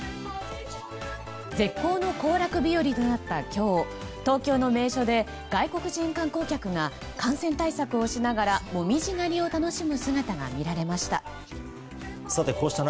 絶好の行楽日和となった今日東京の名所で、外国人観光客が感染対策をしながら紅葉狩りを楽しむ姿が見られました。